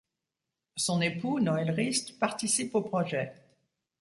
Son époux, Noël Rist participe au projet.